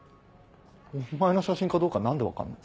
お前の写真かどうか何で分かんの？